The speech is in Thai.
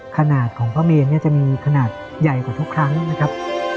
ขนาดของพระเมนเนี่ยจะมีขนาดใหญ่กว่าทุกครั้งนะครับ